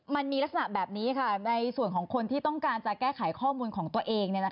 มันมีลักษณะแบบนี้ค่ะในส่วนของคนที่ต้องการจะแก้ไขข้อมูลของตัวเอง